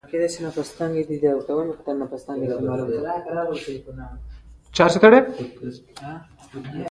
خو پښتو دومره ځواکمنه ده چې وس ولري که یې نه وي.